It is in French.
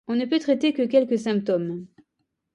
On ne peut traiter que quelques symptômes.